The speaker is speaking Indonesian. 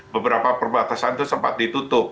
beberapa perbatasan itu sempat ditutup